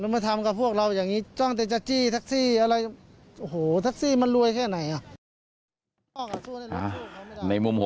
มาทำกับพวกเราอย่างนี้จ้องแต่จ๊ะจี้แท็กซี่อะไร